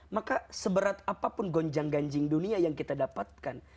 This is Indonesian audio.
maka seberat apapun gonjang ganjing dunia yang kita dapatkan